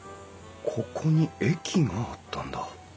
ここに駅があったんだ